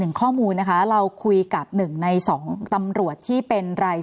ข้อมูลนะคะเราคุยกับหนึ่งในสองตำรวจที่เป็นราย